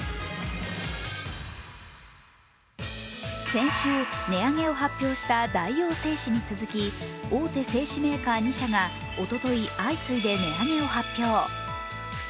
先週、値上げを発表した大王製紙に続き大手製紙メーカー２社がおととい、相次いで値上げを発表。